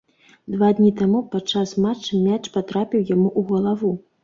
Два дні таму падчас матча мяч патрапіў яму ў галаву.